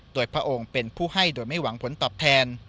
โดยพระองค์เป็นผู้ให้โดยไม่หวังผลตอบแทน